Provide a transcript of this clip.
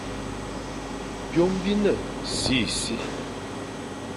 Byôm bi ne sisi,